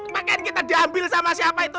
pakaian kita diambil sama siapa itu